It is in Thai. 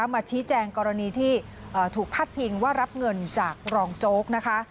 มาชี้แจงกรณีที่ถูกพัดพิงว่ารับเงินจากรองโจ๊กนะคะ